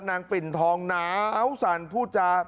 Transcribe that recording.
ปิ่นทองหนาวสั่นพูดจา